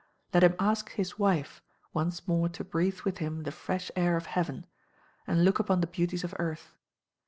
Let him ask his wife once more to breathe with him the fresh air of heaven, and look upon the beauties of earth.